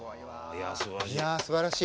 いやすばらしい。